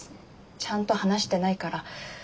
ちゃんと話してないから。